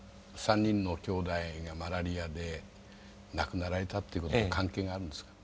３人のきょうだいがマラリアで亡くなられたっていうことと関係があるんですか？